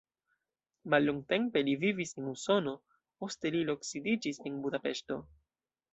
Mallongtempe li vivis en Usono, poste li loksidiĝis en Budapeŝto.